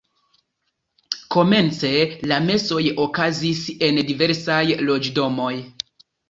Komence la mesoj okazis en diversaj loĝdomoj.